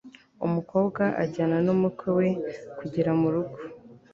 umukobwa ajyana n'umukwe we kugera mu rugo